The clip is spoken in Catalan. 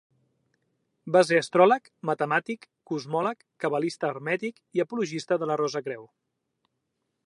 Va ser astròleg, matemàtic, cosmòleg, cabalista hermètic i apologista de la Rosa-Creu.